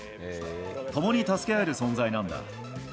ともに助け合える存在なんだ。